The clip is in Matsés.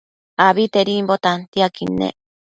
Abitedimbo tantiaquid nec